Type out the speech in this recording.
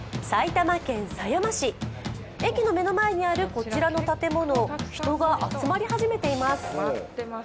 埼玉県狭山市、駅の目の前にあるこちらの建物人が集まり始めています。